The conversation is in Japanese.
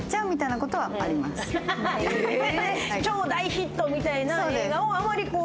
超大ヒットみたいな映画をあまり見ない？